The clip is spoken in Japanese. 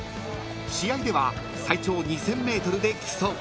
［試合では最長２，０００ｍで競う］